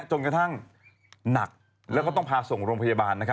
จนกระทั่งหนักแล้วก็ต้องพาส่งโรงพยาบาล